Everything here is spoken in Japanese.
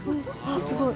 すごい。